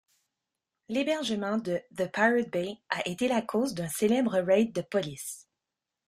L'hébergement de The Pirate Bay a été la cause d'un célèbre raid de police.